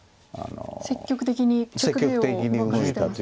積極的に局面を動かしてますね。